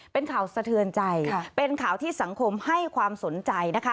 เป็นข่าวสะเทือนใจเป็นข่าวที่สังคมให้ความสนใจนะคะ